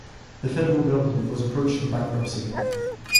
The federal government was approaching bankruptcy.